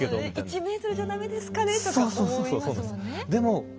「１ｍじゃ駄目ですかね？」とか思いますもんね。